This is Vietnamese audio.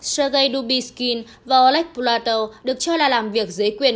sergei dubitskin và oleg polatov được cho là làm việc giới quyền